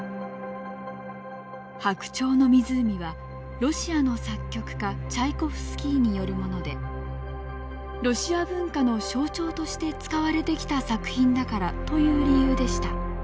「白鳥の湖」はロシアの作曲家チャイコフスキーによるもので「ロシア文化の象徴として使われてきた作品だから」という理由でした。